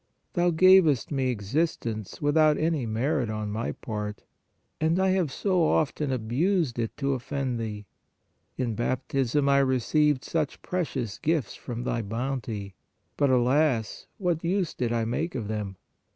Thou gavest me existence without any merit on my part, and I have so often abused it to offend Thee. In bap tism I received such precious gifts from Thy bounty ; but, alas! what use did I make of them?